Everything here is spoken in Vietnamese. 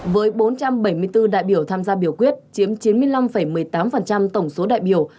với bốn trăm bảy mươi bốn đại biểu tham gia biểu quyết chiếm chín mươi năm một mươi tám tổng số đại biểu